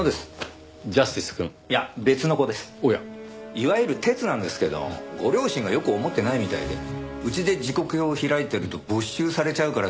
いわゆる「鉄」なんですけどご両親が良く思ってないみたいで家で時刻表を開いていると没収されちゃうからって